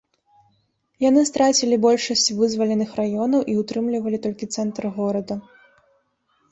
Яны страцілі большасць вызваленых раёнаў і ўтрымлівалі толькі цэнтр горада.